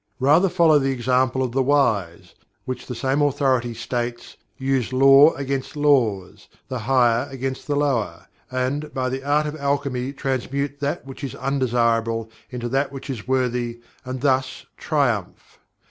Rather follow the example of the wise, which the same authority states, "use Law against Laws; the higher against the lower; and by the Art of Alchemy transmute that which is undesirable into that which is worthy, and thus triumph."